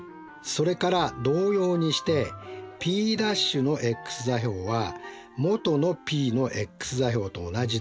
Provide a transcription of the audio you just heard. それから同様にしてＰ’のｘ座標は元のＰのｘ座標と同じでｘです。